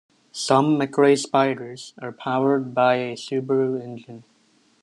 Some McRae Spyders are powered by a Subaru engine.